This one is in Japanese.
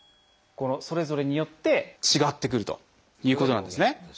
それぞれによって違ってくるということなんですね。